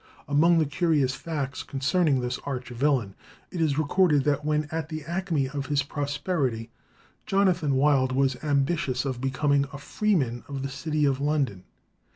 Among other curious facts concerning this arch villain, it is recorded that when at the acme of his prosperity, Jonathan Wild was ambitious of becoming a freeman of the city of London.